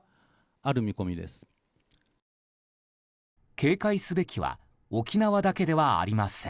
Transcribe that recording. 警戒すべきは沖縄だけではありません。